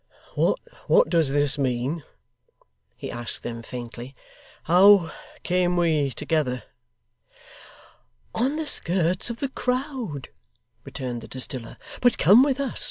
'What does this mean?' he asked them faintly. 'How came we together?' 'On the skirts of the crowd,' returned the distiller; 'but come with us.